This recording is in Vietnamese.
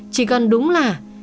chỉ cần đúng là